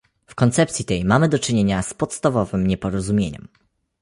W koncepcji tej mamy do czynienia z podstawowym nieporozumieniem